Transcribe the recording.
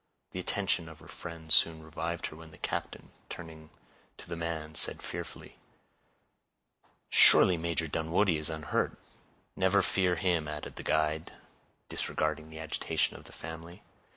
The attention of her friends soon revived her when the captain, turning to the man, said fearfully,— "Surely Major Dunwoodie is unhurt?" "Never fear him," added the guide, disregarding the agitation of the family.